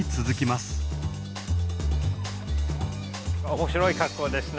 面白い格好ですね。